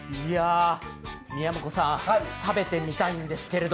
宮向さん食べてみたいんですけど。